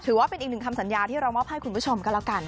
ถือว่าเป็นอีกหนึ่งคำสัญญาที่เรามอบให้คุณผู้ชมก็แล้วกัน